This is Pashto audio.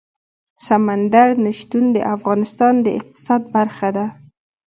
سمندر نه شتون د افغانستان د اقتصاد برخه ده.